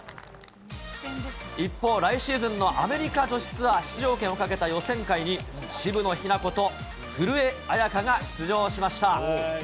一方、来シーズンのアメリカ女子ツアー出場権をかけた予選会に、渋野日向子と古江彩佳が出場しました。